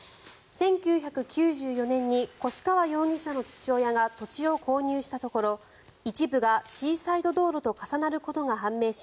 １９９４年に越川容疑者の父親が土地を購入したところ一部がシーサイド道路と重なることが判明し